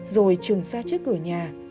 rồi trường ra trước cửa nhà